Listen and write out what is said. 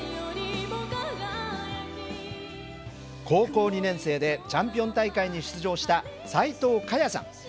高校２年生でチャンピオン大会に出場した斉藤花耶さん。